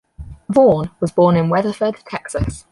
Vaughn was born in Weatherford, Texas.